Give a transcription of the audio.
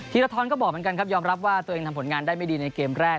ธรทรก็บอกเหมือนกันครับยอมรับว่าตัวเองทำผลงานได้ไม่ดีในเกมแรก